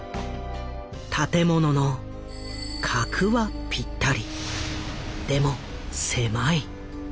建物の「格」はぴったりでも「狭い」。